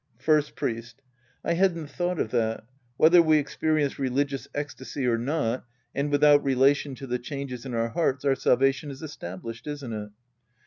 First Priest. I hadn't thought of that. Whether we experience religious ecstasy or not, and without relation to the changes in our hearts, our salvation is established, isn't it